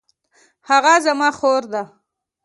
هغه زما خور ده